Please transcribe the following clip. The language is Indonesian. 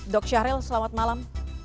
dr syahril selamat malam